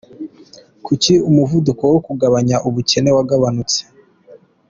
Kuki umuvuduko wo kugabanya ubukene wagabanyutse?